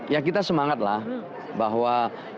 ya kita semangatlah bahwa